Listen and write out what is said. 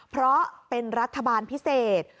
เพราะเป็นรัฐบาลพิเศษ